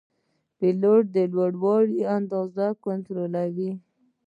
پیلوټ د لوړوالي اندازه کنټرولوي.